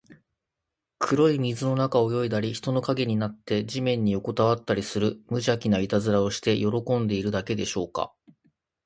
黒い水の中を泳いだり、人の影になって地面によこたわったりする、むじゃきないたずらをして喜んでいるだけでしょうか。